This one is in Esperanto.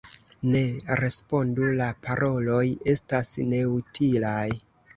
Ne respondu: la paroloj estas neutilaj.